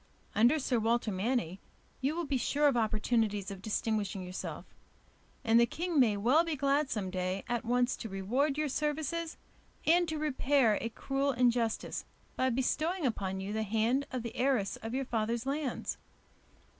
Under Sir Walter Manny you will be sure of opportunities of distinguishing yourself, and the king may well be glad some day at once to reward your services and to repair a cruel injustice by bestowing upon you the hand of the heiress of your father's lands.